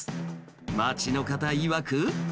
町の方いわく。